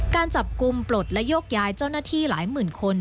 การจับกลุ่มปลดและโยกย้ายเจ้าหน้าที่หลายหมื่นคน